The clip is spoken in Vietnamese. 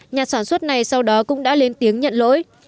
nhà sản xuất này sau đó cũng đã lên tiếng nhận lỗi